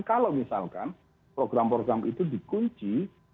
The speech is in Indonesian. kalau misalkan program program itu dikunci